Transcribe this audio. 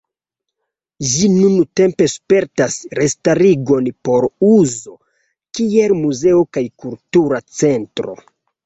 Ĝi nuntempe spertas restarigon por uzo kiel muzeo kaj kultura centro.